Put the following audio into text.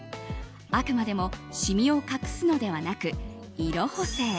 あくまでもシミを隠すのではなく色補正。